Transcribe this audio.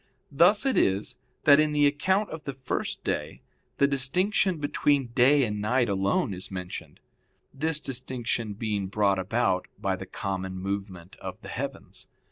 Thus it is, that in the account of the first day the distinction between day and night alone is mentioned; this distinction being brought about by the common movement of the heavens.